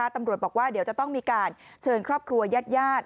ตำรวจบอกว่าเดี๋ยวจะต้องมีการเชิญครอบครัวยาด